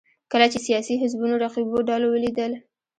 کله چې سیاسي حزبونو رقیبو ډلو ولیدل